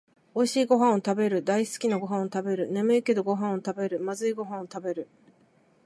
おいしいごはんをたべる、だいすきなごはんをたべる、ねむいけどごはんをたべる、まずいごはんをたべる